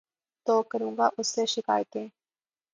تو کروں گا اُس سے شکائتیں